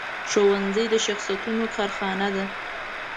ښوونځی د شخصیتونو کارخانه ده